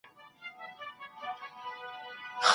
ښایي هغه له ډاره اوږده لاره د اتڼ لپاره ووهی.